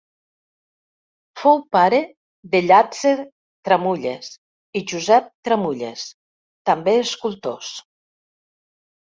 Fou pare de Llàtzer Tramulles i Josep Tramulles, també escultors.